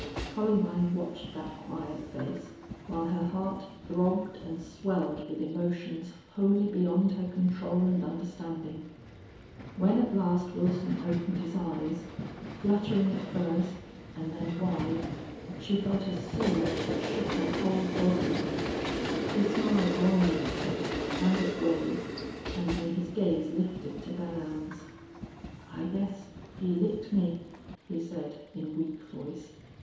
Columbine watched that quiet face, while her heart throbbed and swelled with emotions wholly beyond her control and understanding. When at last Wilson opened his eyes, fluttering at first, and then wide, she felt a surge that shook her whole body. He smiled wanly at her, and at Wade, and then his gaze lifted to Belllounds. "I guess he licked me," he said, in weak voice.